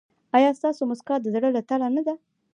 ایا ستاسو مسکا د زړه له تله نه ده؟